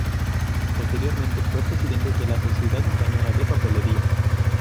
Posteriormente fue presidente de la Sociedad Española de Papelería.